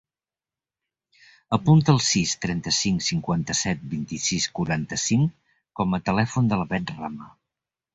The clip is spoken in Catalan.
Apunta el sis, trenta-cinc, cinquanta-set, vint-i-sis, quaranta-cinc com a telèfon de la Beth Rama.